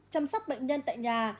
chăm sóc bệnh nhân tại nhà